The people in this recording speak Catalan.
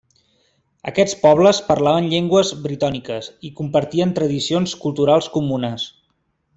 Aquests pobles parlaven llengües britòniques i compartien tradicions culturals comunes.